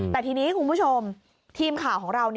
แต่ทีนี้คุณผู้ชมทีมข่าวของเรา